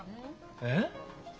えっ？